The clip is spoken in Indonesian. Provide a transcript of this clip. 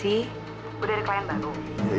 ya aku juga